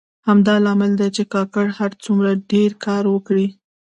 همدا لامل دی چې کارګر هر څومره ډېر کار وکړي